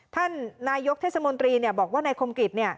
ท่านนายกเทศมนตรีบอกว่านายคมกิจ